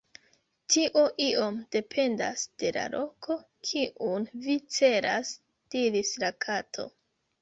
"Tio iom dependas de la loko kiun vi celas," diris la Kato.